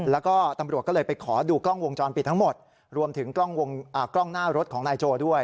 แล้วก็ตำรวจก็เลยไปขอดูกล้องวงจรปิดทั้งหมดรวมถึงกล้องหน้ารถของนายโจด้วย